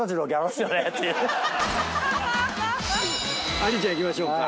ありちゃんいきましょうか。